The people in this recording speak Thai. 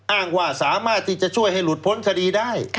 อ้างว่าสามารถที่จะช่วยให้หลุดพ้นคดีได้